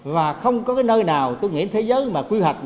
và không có cái nơi nào tôi nghĩ thế giới mà quy hoạch